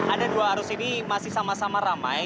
ada dua arus ini masih sama sama ramai